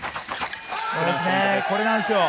これなんですよ。